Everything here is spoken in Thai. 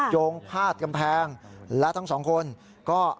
โยงพาดกำแพงและทั้งสองคนก็